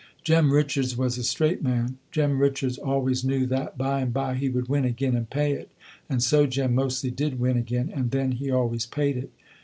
Jem Richards was a straight man. Jem Richards always knew that by and by he would win again and pay it, and so Jem mostly did win again, and then he always paid it.